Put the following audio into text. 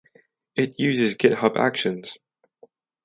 It uses GitHub actions